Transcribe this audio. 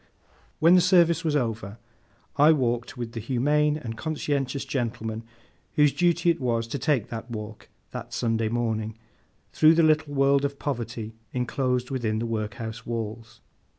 When the service was over, I walked with the humane and conscientious gentleman whose duty it was to take that walk, that Sunday morning, through the little world of poverty enclosed within the workhouse walls.